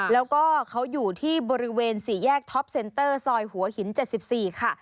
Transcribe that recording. แล้วก็เขาอยู่ที่บริเวณ๔แยกท็อปเซ็นเตอร์ซอยหัวหิน๗๔ค่ะ